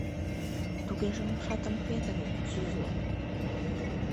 — Тугеже умшатым петыре, сӱзлӧ!..